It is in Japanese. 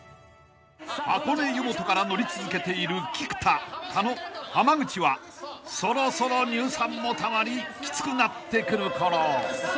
［箱根湯本から乗り続けている菊田狩野浜口はそろそろ乳酸もたまりきつくなってくるころ］